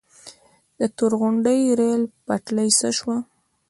د تورغونډۍ ریل پټلۍ څه شوه؟